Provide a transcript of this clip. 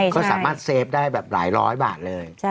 ก็สามารถเซฟได้แบบหลายร้อยบาทเลย